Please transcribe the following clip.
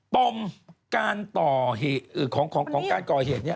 ปมการต่อเหตุของการก่อเหตุเนี่ย